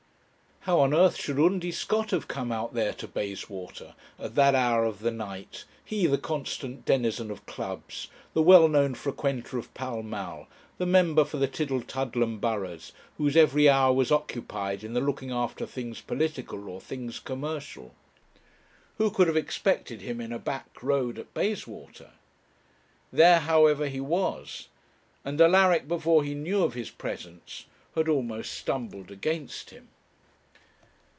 How on earth should Undy Scott have come out there to Bayswater, at that hour of the night, he, the constant denizen of clubs, the well known frequenter of Pall Mall, the member for the Tillietudlem burghs, whose every hour was occupied in the looking after things political, or things commercial? Who could have expected him in a back road at Bayswater? There, however, he was, and Alaric, before he knew of his presence, had almost stumbled against him.